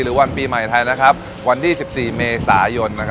หรือวันปีใหม่ไทยนะครับวันที่สิบสี่เมษายนนะครับ